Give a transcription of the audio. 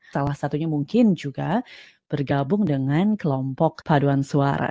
salah satunya mungkin juga bergabung dengan kelompok paduan suara